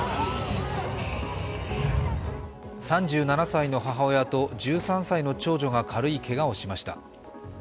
３７歳の母親と１３歳の長女が軽いけがをしました。